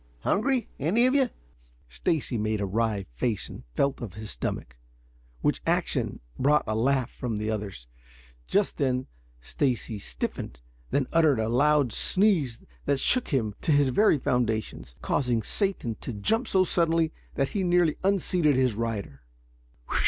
Hungry, any of you?" Stacy made a wry face and felt of his stomach, which action brought a laugh from the others. Just then Stacy stiffened, then uttered a loud sneeze that shook him to his very foundations, causing Satan to jump so suddenly that he nearly unseated his rider.